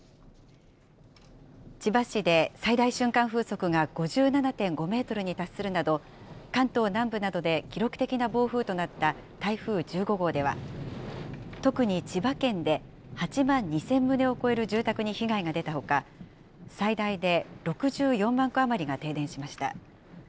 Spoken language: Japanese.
千葉市で最大瞬間風速が５７．５メートルに達するなど、関東南部などで記録的な暴風となった台風１５号では、特に千葉県で８万２０００棟を超える住宅に被害が出たほか、最大で６４万戸余りが停電しました。